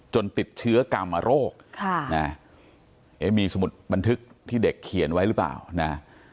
ติดเชื้อกรรมโรคมีสมุดบันทึกที่เด็กเขียนไว้หรือเปล่านะ